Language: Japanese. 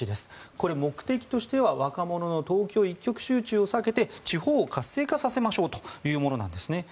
これ、目的としては若者の東京一極集中を避けて地方を活性化させましょうというものなんですね。